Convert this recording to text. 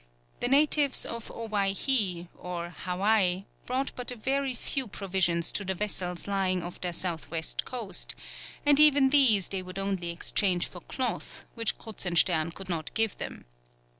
The natives of Owhyhee, or Hawaii, brought but a very few provisions to the vessels lying off their south west coast, and even these they would only exchange for cloth, which Kruzenstern could not give them.